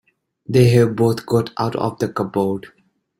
They have both got out of the cupboard!